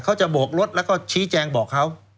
โบกรถแล้วก็ชี้แจงบอกเขา